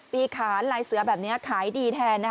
ปีขานลายเสื้อแบบนี้ขายดีแทน